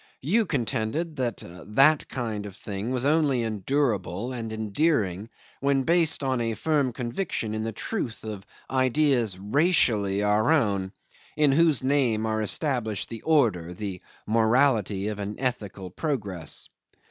You contended that "that kind of thing" was only endurable and enduring when based on a firm conviction in the truth of ideas racially our own, in whose name are established the order, the morality of an ethical progress.